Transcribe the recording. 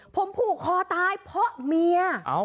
ผมผูกคอตายเพราะเมีย